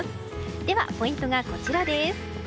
ではポイントがこちら。